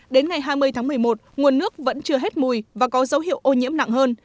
đến ngày hai mươi tháng một mươi một nguồn nước vẫn chưa hết mùi và có dấu hiệu ô nhiễm nặng hơn